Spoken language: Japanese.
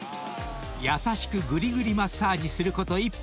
［優しくぐりぐりマッサージすること１分］